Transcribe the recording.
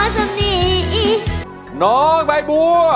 ได้ครับ